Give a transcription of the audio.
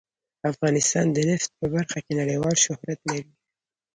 افغانستان د نفت په برخه کې نړیوال شهرت لري.